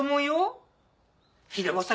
秀子さん